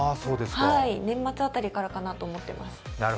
年末辺りからかなと思ってます。